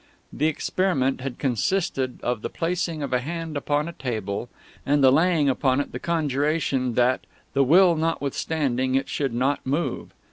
The experiment had consisted of the placing of a hand upon a table, and the laying upon it the conjuration that, the Will notwithstanding, it should not move.